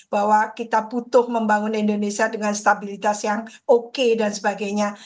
bahwa kita butuh membangun indonesia dengan stabilitas yang oke dan sebagainya